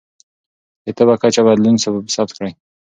د تبه کچه بدلون ثبت کړئ.